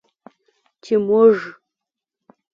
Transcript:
چې موږ